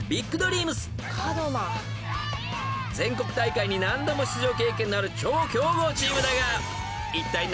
［全国大会に何度も出場経験のある超強豪チームだがいったい］